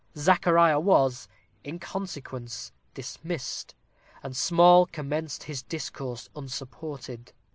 Zachariah was, in consequence, dismissed, and Small commenced his discourse unsupported.